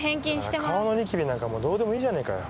だから顔のニキビなんかもうどうでもいいじゃねえかよ。